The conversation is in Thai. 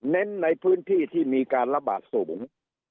เน้นในพื้นที่ที่มีการระบาดสูง